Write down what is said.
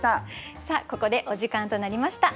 ここでお時間となりました。